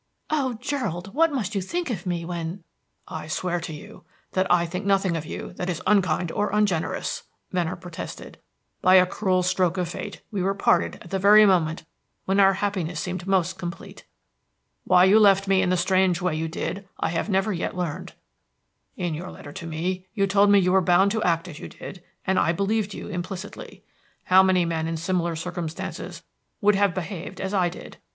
Oh, Gerald, what must you think of me when " "I swear to you that I think nothing of you that is unkind or ungenerous," Venner protested. "By a cruel stroke of fate we were parted at the very moment when our happiness seemed most complete. Why you left me in the strange way you did, I have never yet learned. In your letter to me you told me you were bound to act as you did, and I believed you implicitly. How many men in similar circumstances would have behaved as I did?